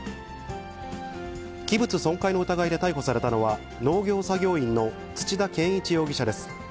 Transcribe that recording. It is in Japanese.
器物損壊の疑いで逮捕されたのは、農業作業員の土田健一容疑者です。